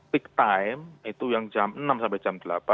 peak time itu yang jam enam sampai jam delapan